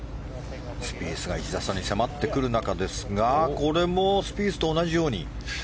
スピースが１打差に迫ってくる中ですがこれもスピースと同じように。